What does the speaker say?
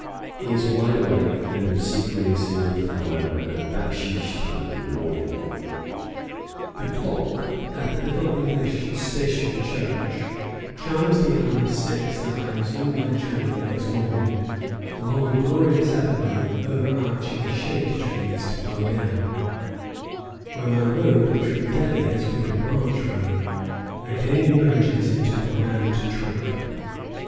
He is wide awake and obsequious enough, however, at backsheesh time in the morning. The clock at the little English station church chimes the hour of six as I resume my journey next morning along a glorious avenue of overarching shade trees to Bhogan, where my road, which from Delhi has been a branch road, again merges into the Grand Trunk.